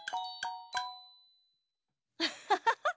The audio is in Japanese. アッハハハ。